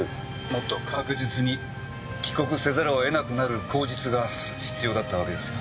もっと確実に帰国せざるを得なくなる口実が必要だったわけですよ。